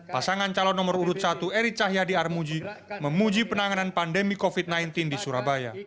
pasangan calon nomor urut satu eri cahyadi armuji memuji penanganan pandemi covid sembilan belas di surabaya